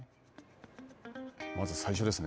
まず最初ですね。